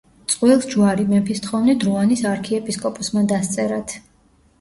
წყვილს ჯვარი მეფის თხოვნით რუანის არქიეპისკოპოსმა დასწერათ.